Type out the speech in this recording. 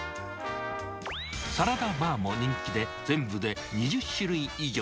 サラダバーも人気で、全部で２０種類以上。